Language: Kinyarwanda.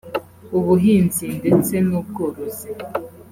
ubuhinzi ndetse n’ubworozi